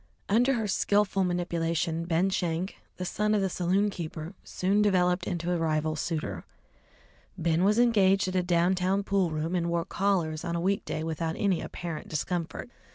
Under her skilful manipulation, Ben Schenk, the son of the saloon keeper, soon developed into a rival suitor. Ben was engaged at a down town pool room, and wore collars on a weekday without any apparent discomfort.